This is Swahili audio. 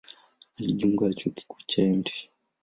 Alijiunga na Chuo Kikuu cha Mt.